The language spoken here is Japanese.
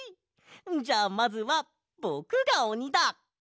じゃあまずはぼくがおにだ！